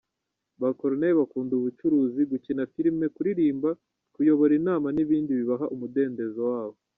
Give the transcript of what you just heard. Ba Corneille bakunda ubucuruzi, gukina filime, kuririmba, kuyobora inama n’ibindi bibaha umudendezo wabo.